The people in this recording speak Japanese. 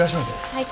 はい。